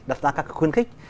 đặt ra các cái khuyến khích